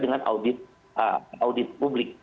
dengan audit publik